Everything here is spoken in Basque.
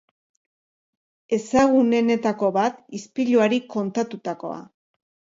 Ezagunenetako bat, ispiluari kantatutakoa.